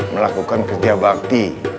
melakukan kerja bakti